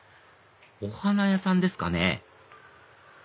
お花屋さんですかね